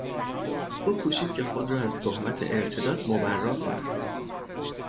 او کوشید که خود را از تهمت ارتداد مبری کند.